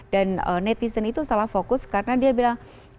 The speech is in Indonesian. dan netizen itu salah fokus karena dia bilang